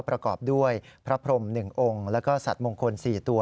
ประกอบด้วยพระพรม๑องค์แล้วก็สัตว์มงคล๔ตัว